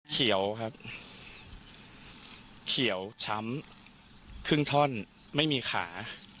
เขียวครับเขียวช้ำครึ่งท่อนไม่มีขา